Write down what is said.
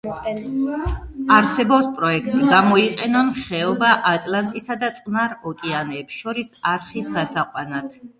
არსებობს პროექტი, გამოიყენონ ხეობა ატლანტისა და წყნარ ოკეანეებს შორის არხის გასაყვანად.